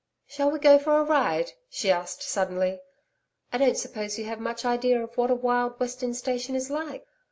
'Shall we go for a ride?' she asked suddenly. 'I don't suppose you have much idea of what a wild western station is like.'